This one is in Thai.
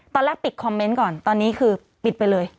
ตอนแรกปิดคอมเมนต์ก่อนตอนนี้คือปิดไปเลย